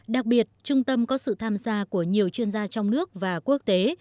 đặc biệt trung tâm có sự tham gia của nhiều chuyên gia trong nước và quốc tế